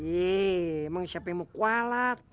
eh emang siapa yang mau kualat